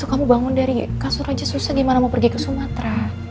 kamu bangun dari kasur aja susah gimana mau pergi ke sumatera